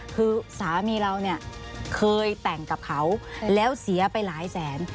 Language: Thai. คือสามีเราเนี่ยเคยแต่งกับเขาแล้วเสียไปหลายแสน